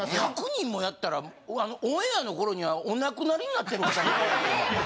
１００人もやったらオンエアの頃にはお亡くなりになってる方もおられるかも。